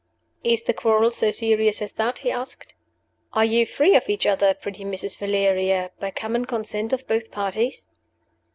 "Is the quarrel so serious as that?" he asked. "Are you free of each other, pretty Mrs. Valeria, by common consent of both parties?"